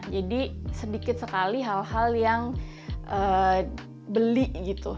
jadi sedikit sekali hal hal yang beli gitu